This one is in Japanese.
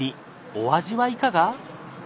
お味はいかが？